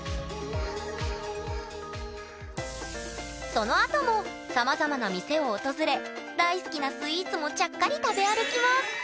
そのあともさまざまな店を訪れ大好きなスイーツもちゃっかり食べ歩きます